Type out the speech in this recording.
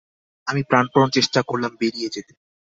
আমি প্রাণপণ চেষ্টা করলাম বেরিয়ে যেতে।